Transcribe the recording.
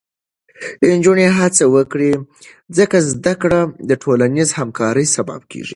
نجونې هڅه وکړي، ځکه زده کړه د ټولنیزې همکارۍ سبب کېږي.